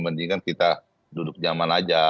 mendingan kita duduk nyaman aja